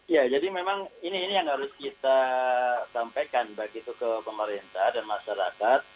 ya jadi memang ini yang harus kita sampaikan baik itu ke pemerintah dan masyarakat